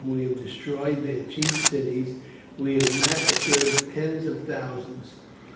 We have destroyed their chief cities. We have massacred tens of thousands.